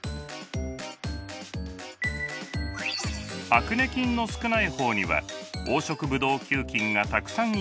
アクネ菌の少ない方には黄色ブドウ球菌がたくさんいました。